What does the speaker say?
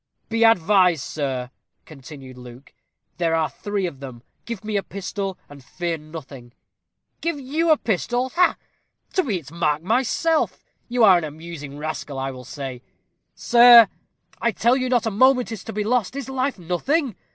"Be advised, sir," continued Luke. "There are three of them give me a pistol, and fear nothing." "Give you a pistol! Ha, ha! to be its mark myself. You are an amusing rascal, I will say." "Sir, I tell you not a moment is to be lost. Is life nothing?